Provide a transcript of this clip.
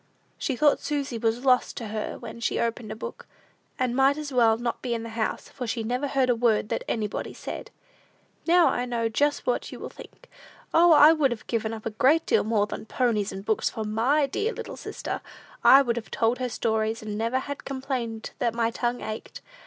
She thought Susy was lost to her when she opened a book, and might as well not be in the house, for she never heard a word that anybody said. Now I know just what you will think: "O, I would have given up a great deal more than ponies and books for my dear little sister! I would have told her stories, and never have complained that my 'tongue ached.'